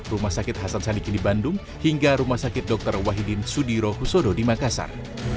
rumah sakit hasan sadikin di bandung hingga rumah sakit dr wahidin sudirohusodo di makassar